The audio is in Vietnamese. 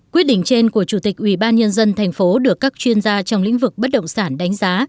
quyết định trên của chủ tịch ubnd thành phố được các chuyên gia trong lĩnh vực bất động sản đánh giá